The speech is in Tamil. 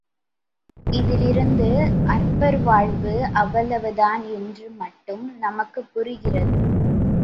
இதிலிருந்து, அற்பர் வாழ்வு அவ்வளவுதான் என்று மட்டும் நமக்குப் புரிகிறது.